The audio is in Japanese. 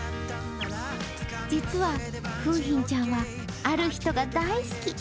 実は楓浜ちゃんはある人が大好き。